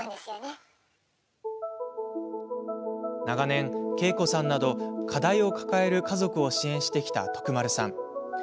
長年、ケイコさんなど課題を抱える家族を支援してきた徳丸さん。